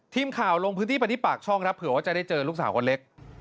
ทีมข่าวลงพื้นที่ไปที่ปากช่องครับเผื่อว่าจะได้เจอลูกสาวคนเล็ก